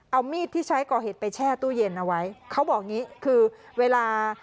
เอามีดที่ใช้ก่อเหตุไปแช่ตู้เย็นเอาไว้เขาบอกอย่างงี้คือเวลา